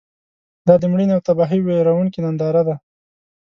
دا د مړینې او تباهۍ ویرونکې ننداره ده.